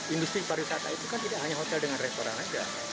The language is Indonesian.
industri pariwisata itu kan tidak hanya hotel dengan restoran saja